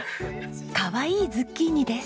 かわいいズッキーニです。